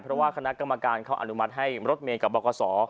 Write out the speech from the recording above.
เพราะว่าคณะกรรมการเขาอนุมัติให้รถเมย์กับบกษ